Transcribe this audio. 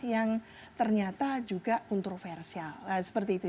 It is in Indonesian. yang ternyata juga kontroversial seperti itu